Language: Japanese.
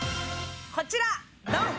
こちら、ドン！